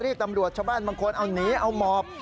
ชาวบ้านบางคนอ้าวหนีอ้าวหมอบ